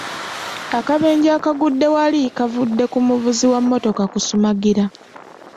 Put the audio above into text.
Akabenje akagudde wali kavudde ku muvuzi wa mmotoka kusumagira.